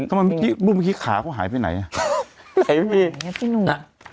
ทำไมเมื่อกี้มึงเมื่อกี้ขาเขาหายไปไหนอะไหนพี่ไหนพี่